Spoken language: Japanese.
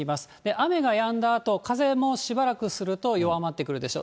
雨がやんだあと、風もしばらくすると弱まってくるでしょう。